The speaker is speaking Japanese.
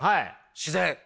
自然。